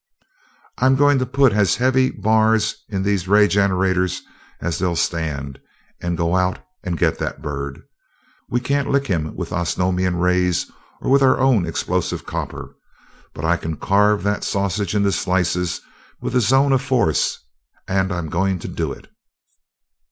"I'm going to put as heavy bars in these ray generators as they'll stand and go out and get that bird. We can't lick him with Osnomian rays or with our explosive copper, but I can carve that sausage into slices with a zone of force, and I'm going to do it."